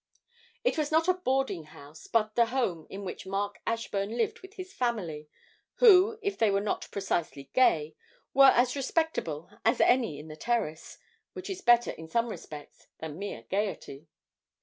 It was not a boarding house, but the home in which Mark Ashburn lived with his family, who, if they were not precisely gay, were as respectable as any in the terrace, which is better in some respects than mere gaiety.